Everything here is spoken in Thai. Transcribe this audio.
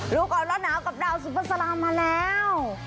รูกร้อนร้อนหนาวกับดาวซุปเปอร์สลามมาแล้ว